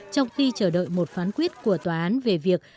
trong khi chờ đợi một phán quyết của tòa án về việc